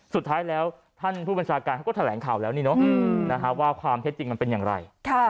สุดท้ายแล้วท่านผู้บัญชาการเขาก็แถลงข่าวแล้วนี่เนอะว่าความเท็จจริงมันเป็นอย่างไร